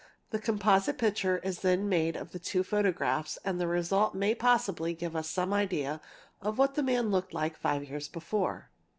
A composite picture is then made of the two photographs | and the result may possibly give us some idea of what the man looked — like five years before.